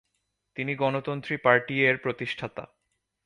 তিনি গণতন্ত্রী পার্টি এর প্রতিষ্ঠাতা।